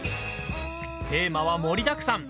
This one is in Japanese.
テーマは盛りだくさん。